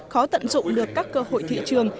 khó tận dụng được các cơ hội thị trường